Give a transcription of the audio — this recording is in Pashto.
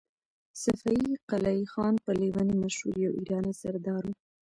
صفي قلي خان په لېوني مشهور يو ایراني سردار و.